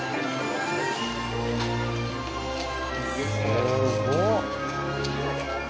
すごっ！